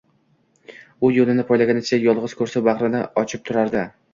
U yo’lini poylagancha yolg’iz kursi bag’rini ochib turardi.